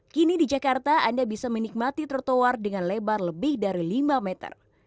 kini di jakarta anda bisa menikmati trotoar dengan lebar lebih dari lima meter